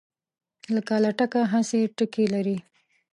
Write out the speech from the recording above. لکه لټکه هسې ټګي لري